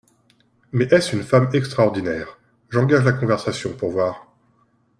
Mais est-ce une femme extraordinaire ? J'engage la conversation, pour voir.